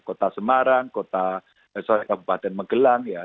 kota semarang kota soal kabupaten megelang ya